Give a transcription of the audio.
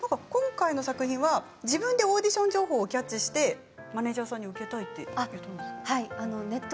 今回の作品は、自分でオーディション情報をキャッチしてマネージャーさんに受けたいと申し出たんですね。